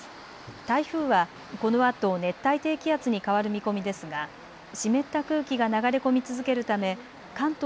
台風はこのあと熱帯低気圧に変わる見込みですが湿った空気が流れ込み続けるため関東